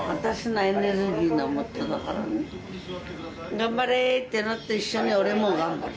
頑張れって一緒に俺も頑張る。